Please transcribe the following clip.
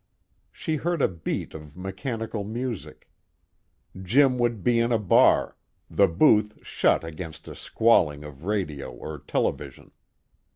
She heard a beat of mechanical music; Jim would be in a bar, the booth shut against a squalling of radio or television.